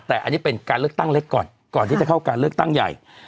แต่อันนี้เป็นการเลือกตั้งเล็กก่อนก่อนที่จะเข้าการเลือกตั้งใหญ่